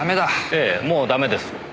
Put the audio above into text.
ええもうダメです。